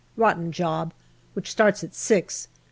Rotten job, which starts at six.